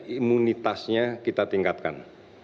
imunitasnya kita tingkatkan